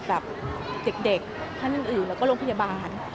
เด็กข้าวธิพยาบาล